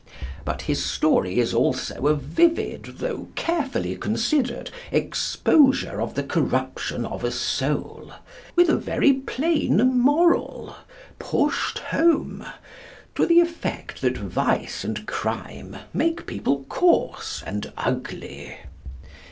But his story is also a vivid, though carefully considered, exposure of the corruption of a soul, with a very plain moral, pushed home, to the effect that vice and crime make people coarse and ugly.